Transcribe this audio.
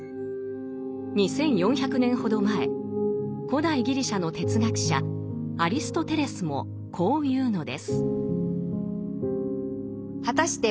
２，４００年ほど前古代ギリシャの哲学者アリストテレスもこう言うのです。